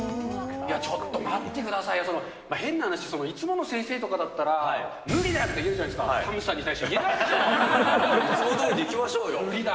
ちょっと待ってくださいよ、変な話、いつもの先生とかだったら、無理だよって言うじゃないですか、ＳＡＭさんに対しては言えないでいつもどおりでいきましょう無理だ。